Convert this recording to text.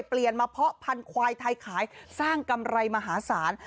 เปลี่ยนมาเพาะพันธุ์ควายไทยขายสร้างกำไรมหาศาล